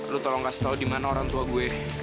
lu tolong kasih tau dimana orang tua gue